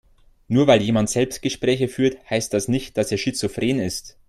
Nur weil jemand Selbstgespräche führt, heißt das nicht, dass er schizophren ist.